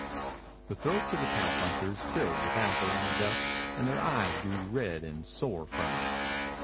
The throats of the cowpunchers filled with alkali dust and their eyes grew red and sore from it.